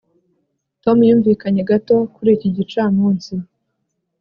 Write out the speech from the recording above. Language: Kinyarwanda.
tom yumvikanye gato kuri iki gicamunsi